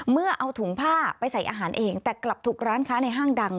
เมื่อเอาถุงผ้าไปใส่อาหารเองแต่กลับถูกร้านค้าในห้างดัง